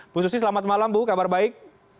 bu susi selamat malam bu kabar baik